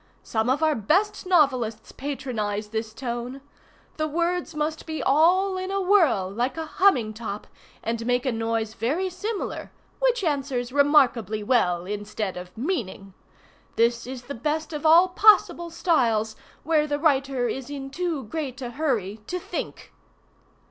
Some of our best novelists patronize this tone. The words must be all in a whirl, like a humming top, and make a noise very similar, which answers remarkably well instead of meaning. This is the best of all possible styles where the writer is in too great a hurry to think.